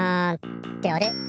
ってあれ？